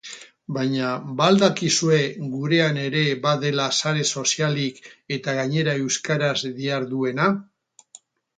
Baina ba al dakizue gurean ere badela sare sozialik eta gainera euskaraz diharduena?